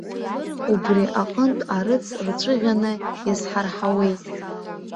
Убри аҟынтә арыц рҵәыӷьаны иазҳарҳауеит.